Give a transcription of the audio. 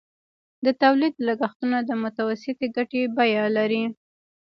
د تولید لګښتونه د متوسطې ګټې بیه لري